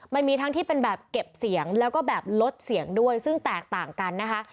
มันมีทั้งที่เป็นแบบเก็บเสียงแล้วก็แบบลดเสียงด้วยซึ่งแตกต่างกันนะคะ